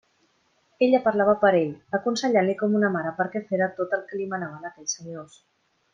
Ella parlava per ell, aconsellant-li com una mare perquè fera tot el que li manaven aquells senyors.